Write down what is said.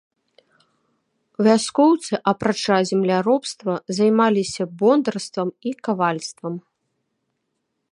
Вяскоўцы, апрача земляробства, займаліся бондарствам і кавальствам.